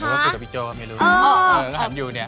หรือพูดกับพี่โจ้กำลังไม่รู้เอ่อ